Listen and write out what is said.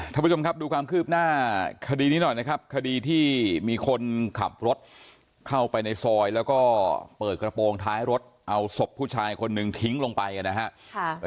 ท่านผู้ชมครับดูความคืบหน้าคดีนี้หน่อยนะครับคดีที่มีคนขับรถเข้าไปในซอยแล้วก็เปิดกระโปรงท้ายรถเอาศพผู้ชายคนนึงทิ้งลงไปนะครับ